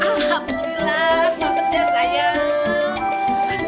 alhamdulillah selamat ya sayang